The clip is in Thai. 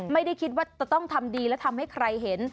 ไม่ได้คิดว่าจะต้องทำดีและทำให้ใครเห็น